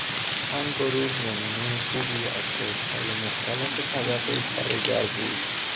آن گروه نمونهی خوبی از قشرهای مختلف طبقهی کارگر بود.